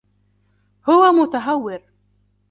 هو متهور.